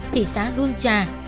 tỷ xá hương trà